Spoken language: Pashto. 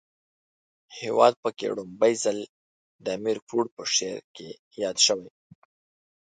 هیواد پکی په ړومبی ځل د امیر کروړ په شعر کې ياد شوی